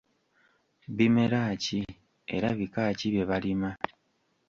Bimera ki era bika ki bye balima?